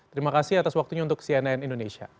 terima kasih atas waktunya untuk cnn indonesia